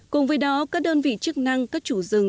cùng với đó các đơn vị chức năng các chủ rừng